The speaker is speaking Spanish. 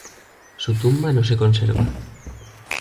Su tumba no se conserva.